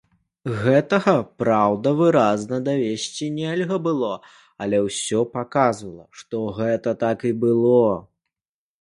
Гэтага, праўда, выразна давесці нельга было, але ўсё паказвала, што гэта так і было.